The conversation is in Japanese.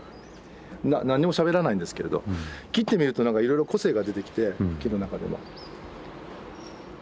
なんにもしゃべらないんですけれど切ってみるとなんかいろいろ個性が出てきて木の中でも。